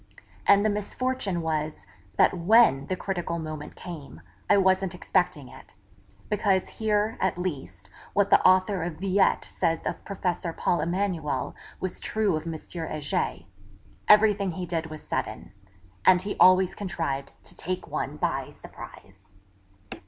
And the misfortune was, that when the critical moment came, I wasn't expecting it; because, here, at least, what the author of Villette says of Professor Paul Emanuel was true of M. Heger everything he did was sudden; and he always contrived to take one by surprise.